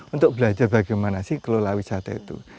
untuk belajar bagaimana sih kelola wisata itu